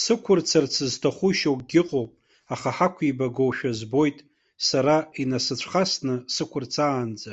Сықәырцарц зҭаху шьоукгьы ыҟоуп, аха ҳақәибагошәа збоит, сара инасыцәхасны сықәырцаанӡа.